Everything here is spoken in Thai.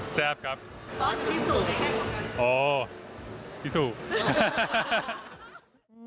แซ่บมาซอสกันคะซอสพิซูได้แค่คนกันอ๋อพิซู